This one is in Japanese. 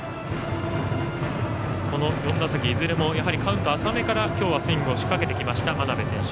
この４打席、いずれもカウント浅めからスイング仕掛けてきた真鍋選手。